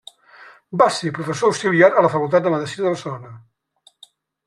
Va ser professor auxiliar a la Facultat de Medicina de Barcelona.